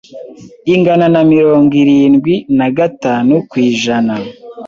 ingana na mirongo irindwi nagatanu kw’ijana